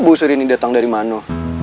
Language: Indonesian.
bau sirih ini datang dari mana